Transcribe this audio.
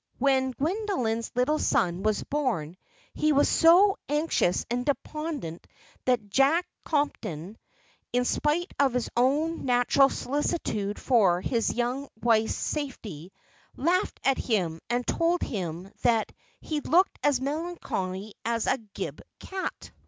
When Gwendoline's little son was born, he was so anxious and despondent that Jack Compton, in spite of his own natural solicitude for his young wife's safety, laughed at him and told him "that he looked as melancholy as a gib cat."